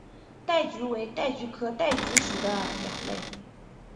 戴菊为戴菊科戴菊属的鸟类。